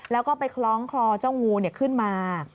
แล้วก็ไปคล้องคลอเจ้างูขึ้นมา